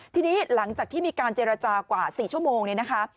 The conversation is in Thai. ทีนี้หลังจากที่มีการเจรจากว่า๔ชั่วโมงเนี่ยนะคะ